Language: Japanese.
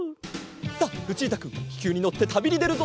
さあルチータくんききゅうにのってたびにでるぞ！